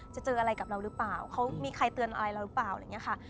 เจออะไรกับเราหรือเปล่าเขามีใครเตือนอะไรเราหรือเปล่าอะไรอย่างนี้ค่ะ